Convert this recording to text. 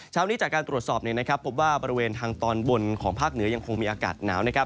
เช้านี้จากการตรวจสอบพบว่าบริเวณทางตอนบนของภาคเหนือยังคงมีอากาศหนาวนะครับ